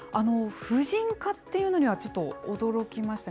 婦人科っていうのには、ちょっと驚きましたね。